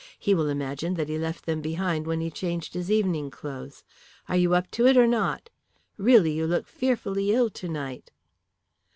He will imagine that he left them behind when he changed his evening clothes. Are you up to it or not? Really, you look fearfully ill tonight."